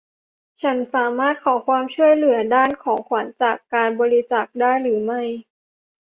ฉันสามารถขอความช่วยเหลือด้านของขวัญจากการบริจาคได้หรือไม่